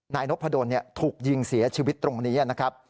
นายนพดลถูกยิงเสียชีวิตตรงนี้นะครับ